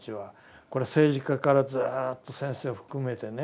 これは政治家からずっと先生を含めてね。